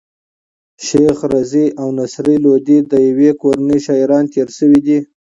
شېخ رضي او نصر لودي د ېوې کورنۍ شاعران تېر سوي دي.